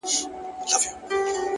• هره ورځ یې شکایت له غریبۍ وو ,